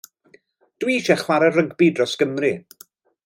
Dwi eisiau chwarae rygbi dros Gymru.